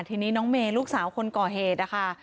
ทีนี้น้องเมย์ลูกสาวคนก่อเหตุนะคะ